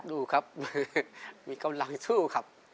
ดูครับมือมีกำลังสู้ครับ